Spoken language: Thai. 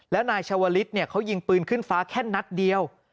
แล้วนายชาวลิศเขายิงปืนขึ้นฟ้าแค่นัดเดียว